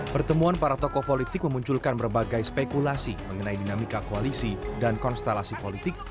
pertemuan para tokoh politik memunculkan berbagai spekulasi mengenai dinamika koalisi dan konstelasi politik